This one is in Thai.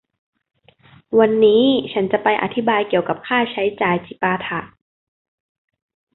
วันนี้ฉันจะไปอธิบายเกี่ยวกับค่าใช้จ่ายจิปาถะ